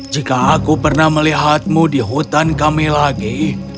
jika aku pernah melihatmu di hutan kami lagi